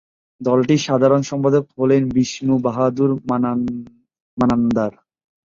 দলটির সাধারণ সম্পাদক হলেন বিষ্ণু বাহাদুর মানান্ধার।